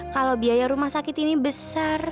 kalau biaya rumah sakit ini besar